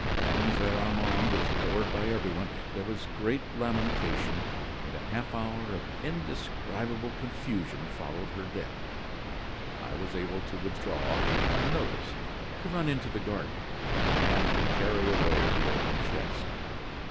Mademoiselle Armande was adored by everyone; there was great lamentation, and a half hour of indescribable confusion followed her death. I was able to withdraw, unnoticed, to run into the garden, and to carry away the oaken chest.